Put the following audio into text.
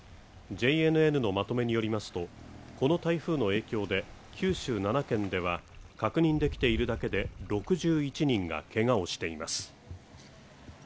ＪＮＮのまとめによりますと、この台風の影響で九州７県では確認できているだけで６１人がけがをしています。